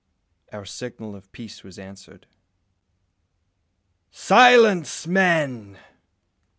Our signal of peace was answered. "Silence, men!"